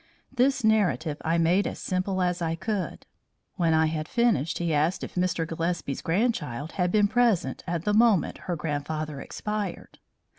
This narrative I made as simple as I could. When I had finished he asked if Mr. Gillespie's grandchild had been present at the moment her grandfather expired.